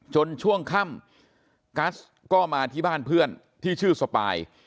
ช่วงค่ำกัสก็มาที่บ้านเพื่อนที่ชื่อสปาย